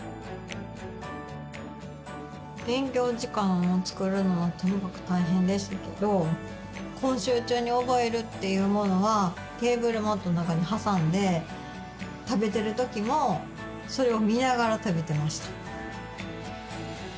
勉強時間を作るのはとにかく大変でしたけど今週中に覚えるというものはテーブルマットの中に挟んで食べている時もそれを見ながら食べていました。